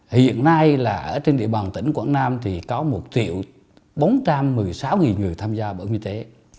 hiện nay là ở trên địa bàn tỉnh quảng nam thì có một bốn trăm một mươi sáu người tham gia bảo hiểm y tế